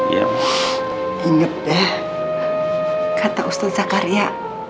lam inget deh kata ustaz zakaria